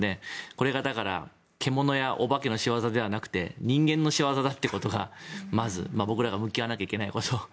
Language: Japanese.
これがだから獣やお化けの仕業ではなくて人間の仕業だということがまず僕らが向き合わなきゃいけないこと。